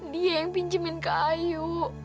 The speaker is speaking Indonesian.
dia yang pinjemin ke ayu